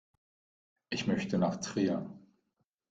Ich möchte nach Trier